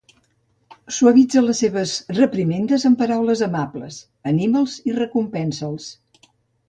Suavitza les teves reprimendes amb paraules amables; anima'ls i recompensa'ls.